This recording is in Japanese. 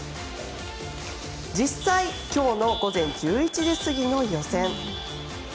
実際今日の午前１１時過ぎの予選。